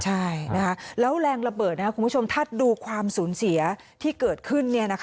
ใช่แล้วแรงระเบิดคุณผู้ชมถ้าดูความสูญเสียที่เกิดขึ้น